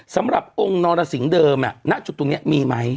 สำหรับองค์นรสิงห์เดิมณจุดตรงนี้มีไหม